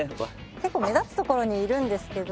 結構目立つ所にいるんですけど。